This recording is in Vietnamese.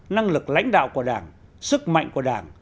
năng lực lãnh đạo của đảng sức mạnh của đảng